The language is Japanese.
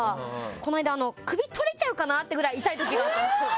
この間首とれちゃうかなってくらい痛い時があったんですよ。